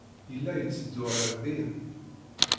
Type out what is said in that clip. Yella yetteddu ɣer din.